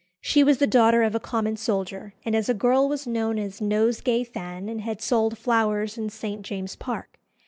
She was the daughter of a common soldier, and as a girl was known as "Nosegay Fan," and had sold flowers in St. James's Park.